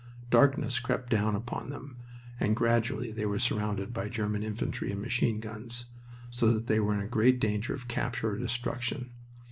Darkness crept down upon them, and gradually they were surrounded by German infantry with machine guns, so that they were in great danger of capture or destruction.